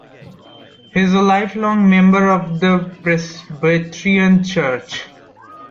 He is a lifelong member of the Presbyterian Church.